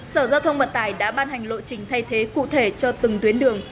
sở giao thông vận tải đã ban hành lộ trình thay thế cụ thể cho từng tuyến đường